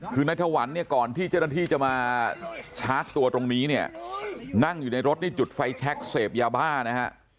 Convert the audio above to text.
คือนายถวันเนี่ยก่อนที่เจ้าหน้าที่จะมาชาร์จตัวตรงนี้เนี่ยนั่งอยู่ในรถนี่จุดไฟแชคเสพยาบ้านะฮะ